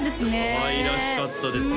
かわいらしかったですね